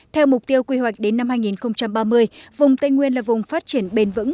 theo mục tiêu quy hoạch đến năm hai nghìn ba mươi vùng tây nguyên là vùng phát triển bền vững